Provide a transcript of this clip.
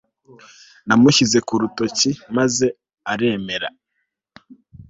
namushyize ku rutoki maze aremera